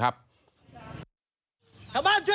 ไม่ใช่พระไม่ใช่พระ